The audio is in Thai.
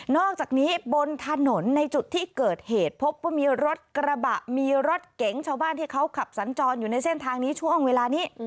อกจากนี้บนถนนในจุดที่เกิดเหตุพบว่ามีรถกระบะมีรถเก๋งชาวบ้านที่เขาขับสัญจรอยู่ในเส้นทางนี้ช่วงเวลานี้